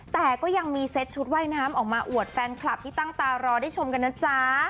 แต่ก็ยังมีเซ็ตชุดว่ายน้ำออกมาอวดแฟนคลับที่ตั้งตารอได้ชมกันนะจ๊ะ